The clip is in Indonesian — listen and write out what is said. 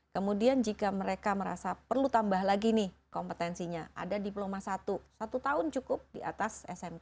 kemudian jika mereka merasa perlu tambah lagi nih kompetensinya ada diploma satu satu tahun cukup di atas smk